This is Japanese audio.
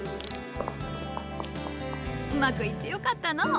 うまくいってよかったのう。